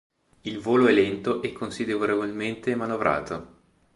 Il volo è lento e considerevolmente manovrato.